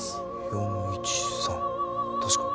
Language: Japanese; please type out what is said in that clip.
４１３確かに。